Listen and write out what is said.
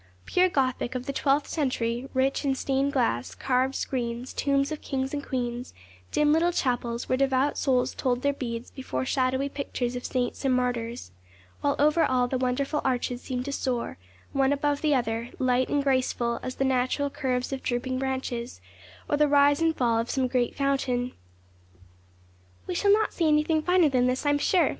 Pure Gothic of the twelfth century, rich in stained glass, carved screens, tombs of kings and queens, dim little chapels, where devout souls told their beads before shadowy pictures of saints and martyrs, while over all the wonderful arches seemed to soar, one above the other, light and graceful as the natural curves of drooping branches, or the rise and fall of some great fountain. 'We shall not see anything finer than this, I'm sure.